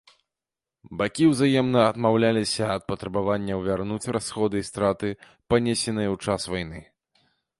Бакі ўзаемна адмаўляліся ад патрабаванняў вярнуць расходы і страты, панесеныя ў час вайны.